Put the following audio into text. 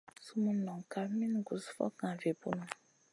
Sumun non kaf min gus fokŋa vi bunu.